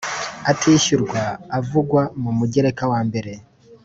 atishyurwa avugwa mu Mugereka wa mbere